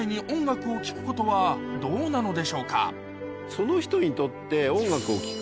その人にとって。